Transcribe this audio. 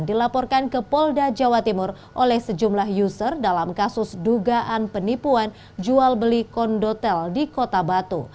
dilaporkan ke polda jawa timur oleh sejumlah user dalam kasus dugaan penipuan jual beli kondotel di kota batu